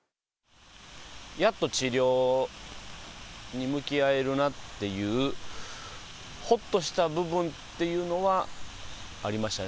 やっと治療に向き合えるなっていう、ほっとした部分っていうのはありました。